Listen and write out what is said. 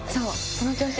その調子！